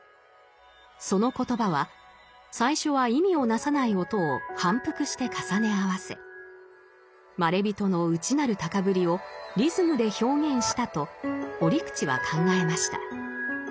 その言葉は最初は意味をなさない音を反復して重ね合わせまれびとの内なる高ぶりをリズムで表現したと折口は考えました。